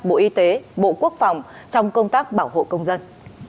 bộ y tế bộ quốc phòng trong công tác bảo hộ công dân